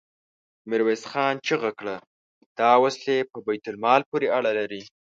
ميرويس خان چيغه کړه! دا وسلې په بيت المال پورې اړه لري.